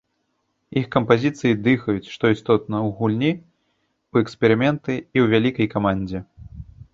Іх кампазіцыі дыхаюць, што істотна, у гульні ў эксперыменты і ў вялікай камандзе.